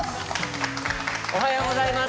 おはようございます。